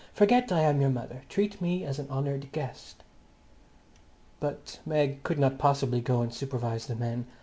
Forget I am your mother. Treat me as an honoured guest." But Meg could not possibly go and supervise the men.